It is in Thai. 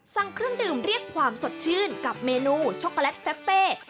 สั่งเครื่องดื่มเรียกความสดชื่นกับเมนูช็อกโกแลตแฟเป้